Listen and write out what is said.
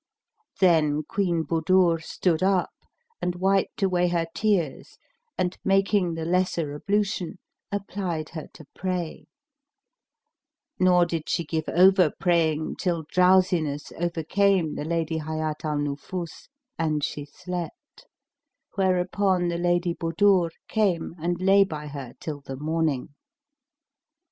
Then Queen Budur stood up and wiped away her tears and, making the lesser ablution,[FN#317] applied her to pray: nor did she give over praying till drowsiness overcame the Lady Hayat al Nufus and she slept, whereupon the Lady Budur came and lay by her till the morning.